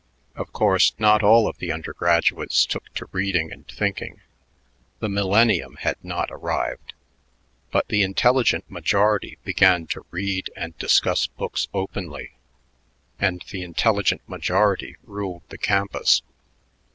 Of course, not all of the undergraduates took to reading and thinking; the millennium had not arrived, but the intelligent majority began to read and discuss books openly, and the intelligent majority ruled the campus.